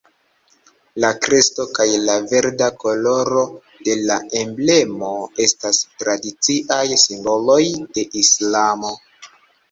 La kresto kaj la verda koloro de la emblemo estas tradiciaj simboloj de Islamo.